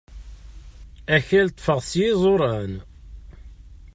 Akal ṭṭfeɣ-t s yiẓuran.